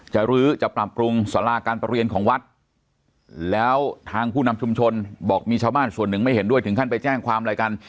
รื้อจะปรับปรุงสาราการประเรียนของวัดแล้วทางผู้นำชุมชนบอกมีชาวบ้านส่วนหนึ่งไม่เห็นด้วยถึงขั้นไปแจ้งความอะไรกัน